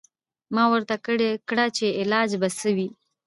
ما ورته کړه چې علاج به څه وي.